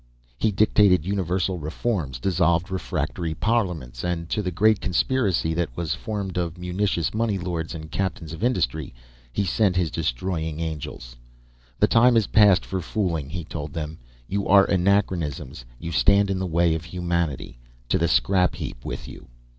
He dictated universal reforms, dissolved refractory parliaments, and to the great conspiracy that was formed of mutinous money lords and captains of industry he sent his destroying angels. "The time is past for fooling," he told them. "You are anachronisms. You stand in the way of humanity. To the scrap heap with you."